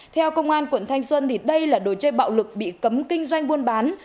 theo công an quận thanh xuân đây là đồ chơi bạo lực bị cấm kinh doanh buôn bán